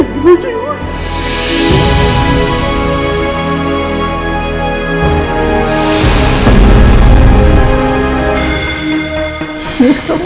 ibunya catholics menang